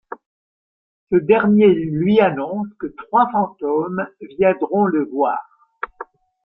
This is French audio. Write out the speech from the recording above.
Ce dernier lui annonce que trois fantômes viendront le voir.